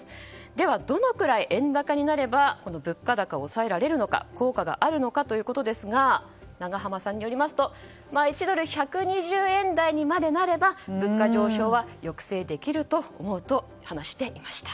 では、どのくらい円高になれば物価高を抑えられるのか効果があるのかということですが永濱さんによりますと１ドル＝１２０円台にまでなれば物価上昇は抑制できると思うと話していました。